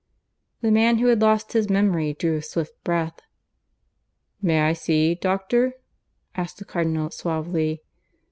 The man who had lost his memory drew a swift breath. "May I see, doctor?" asked the Cardinal suavely.